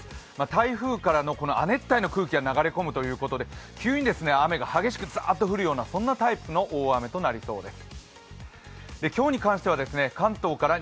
台風からの亜熱帯の空気が流れ込んでくるということで急に雨が激しくザーッと降るタイプの大雨となりそうです。